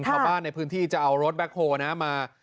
ชาวบ้านในพื้นที่จะเอารถแบ็คโฮลมา